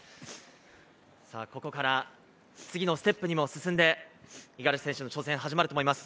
ここから次のステップにも進んで、五十嵐選手の挑戦が始まると思います。